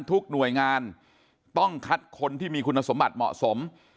ทุกหน่วยงานต้องคัดคนที่มีคุณสมบัติเหมาะสม